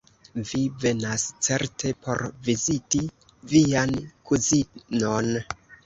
Vi venas certe por viziti vian kuzinon?